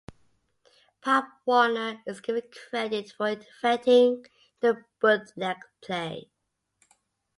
Pop Warner is given credit for inventing the bootleg play.